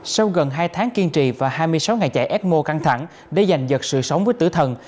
sau gần hai tháng kiên trì và hai mươi sáu ngày chạy ecmo căng thẳng để giành dật sự sống với tử thần